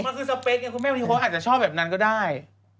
มันคือสเปคไงคุณแม่บางทีเขาอาจจะชอบแบบนั้นก็ได้